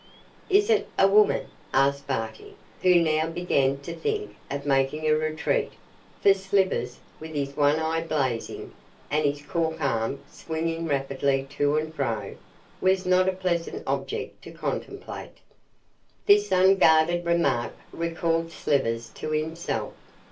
'Is it a woman?' asked Barty, who now began to think of making a retreat, for Slivers, with his one eye blazing, and his cork arm swinging rapidly to and fro, was not a pleasant object to contemplate. This unguarded remark recalled Slivers to himself.